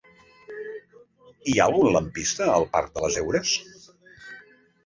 Hi ha algun lampista al parc de les Heures?